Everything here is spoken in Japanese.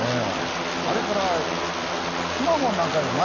あれからくまモンなんかよりも前ですからね。